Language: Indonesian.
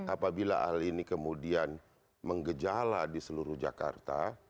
apabila hal ini kemudian menggejala di seluruh jakarta